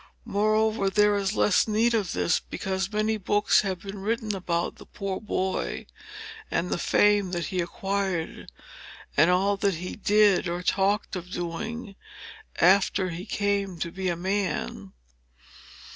Moreover, there is the less need of this, because many books have been written about that poor boy, and the fame that he acquired, and all that he did or talked of doing, after he came to be a man.